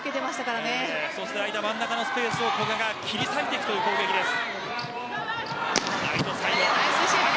そして真ん中の空いたスペースを古賀が切り裂いていくという攻撃です。